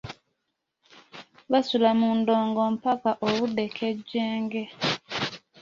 Baasula mu ndongo ppaka obudde kkejenge.